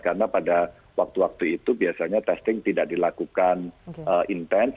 karena pada waktu waktu itu biasanya testing tidak dilakukan intens